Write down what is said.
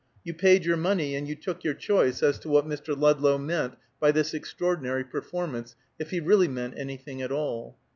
You paid your money and you took your choice as to what Mr. Ludlow meant by this extraordinary performance, if he really meant anything at all.